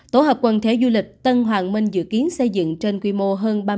tổ hợp quần thể du lịch tân hoàng minh dự kiến xây dựng trên quy mô hơn ba mươi